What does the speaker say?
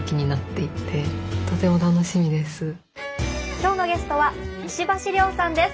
今日のゲストは石橋凌さんです。